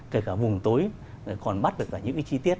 kể cả vùng tối còn bắt được cả những cái chi tiết